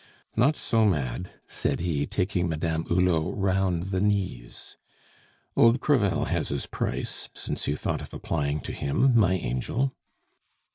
"Not so mad!" said he, taking Madame Hulot round the knees; "old Crevel has his price, since you thought of applying to him, my angel."